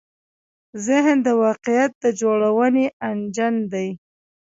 ذهن د واقعیت د جوړونې انجن دی.